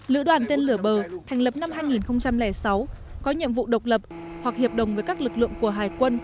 lữ đoàn tên lửa bờ thành lập năm hai nghìn sáu có nhiệm vụ độc lập hoặc hiệp đồng với các lực lượng của hải quân